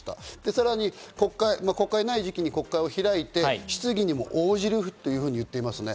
さらに国会がない時期に国会を開いて質疑にも応じるというふうに言っていますね。